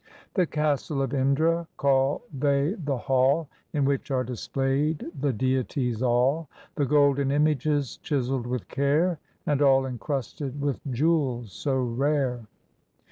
The "Castle of Indra" call they the hall, In which are displayed the deities all, The golden images, chiseled with care, And all incrusted with jewels so rare.